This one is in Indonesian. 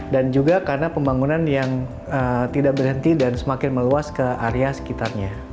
juga karena pembangunan yang tidak berhenti dan semakin meluas ke area sekitarnya